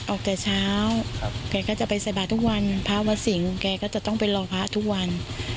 ออกแต่เช้าแกก็จะไปใส่บาททุกวันพระวัดสิงห์แกก็จะต้องไปรอพระทุกวัน